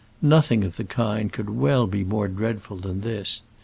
Nothing of the kind could well be more dreadful than this.